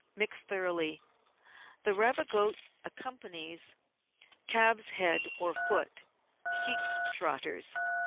Mix thoroughly. The Ravigote accompanies calf's head or foot, sheep's trotters, &c.